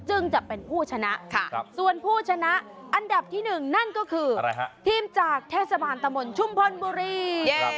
จะเป็นผู้ชนะส่วนผู้ชนะอันดับที่๑นั่นก็คือทีมจากเทศบาลตะมนต์ชุมพลบุรี